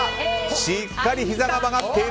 しっかりひざが曲がっている。